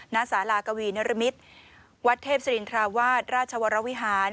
ณสารากวีนรมิตรวัดเทพศิรินทราวาสราชวรวิหาร